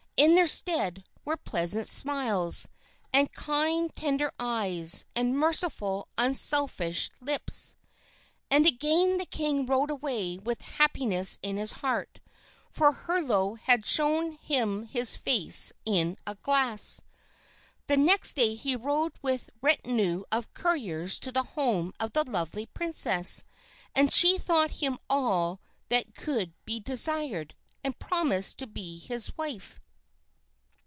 In their stead were pleasant smiles; and kind, tender eyes; and merciful, unselfish lips. And again the king rode away with happiness in his heart, for Herlo had shown him his face in a glass. The next day, he rode with his retinue of courtiers to the home of the lovely princess, and she thought him all that could be desired, and promised to be his wife.